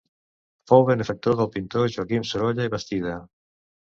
Fou benefactor del pintor Joaquim Sorolla i Bastida.